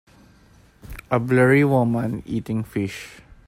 A blurry woman eating fish.